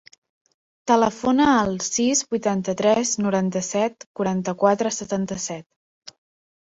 Telefona al sis, vuitanta-tres, noranta-set, quaranta-quatre, setanta-set.